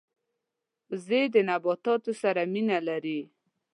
وزې د نباتاتو سره مینه لري